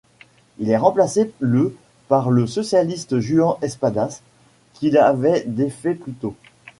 Il est remplacé le par le socialiste Juan Espadas qu'il avait défait plus tôt.